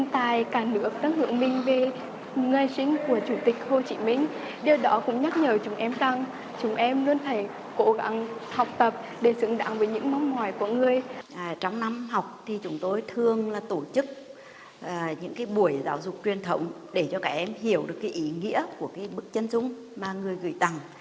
trong năm học chúng tôi thường tổ chức những buổi giáo dục truyền thống để cho các em hiểu được ý nghĩa của bức chân dung mà người gửi tặng